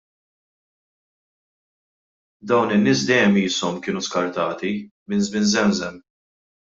Dawn in-nies dejjem qishom kienu skartati, minn żmien żemżem.